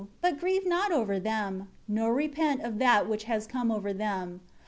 But grieve not over them, nor repent of that which has come over them.